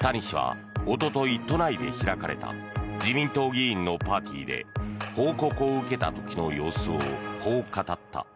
谷氏はおととい、都内で開かれた自民党議員のパーティーで報告を受けた時の様子をこう語った。